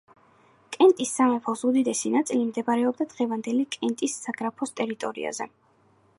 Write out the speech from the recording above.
კენტის სამეფოს უდიდესი ნაწილი მდებარეობდა დღევანდელი კენტის საგრაფოს ტერიტორიაზე.